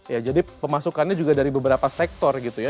ya jadi pemasukannya juga dari beberapa sektor gitu ya